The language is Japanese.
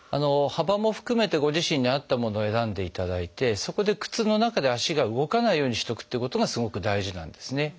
幅も含めてご自身に合ったものを選んでいただいてそこで靴の中で足が動かないようにしとくっていうことがすごく大事なんですね。